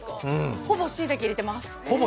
ほぼ、しいたけ入れてます。